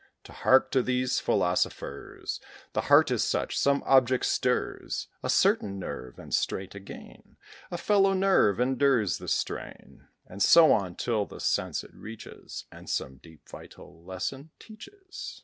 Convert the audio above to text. To hark to these philosophers, The heart is such; some object stirs A certain nerve, and straight, again, A fellow nerve endures the strain; And so on, till the sense it reaches, And some deep vital lesson teaches.